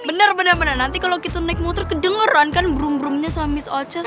bener bener bener nanti kalo kita naik motor kedengeran kan brum brumnya sama miss oces